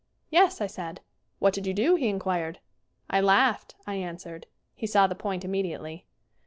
"Yes," I said. "What did you do?" he inquired. "I laughed," I answered. He saw the point immediately.